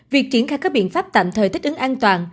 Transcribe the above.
việc triển khai các biện pháp tạm thời thích ứng an toàn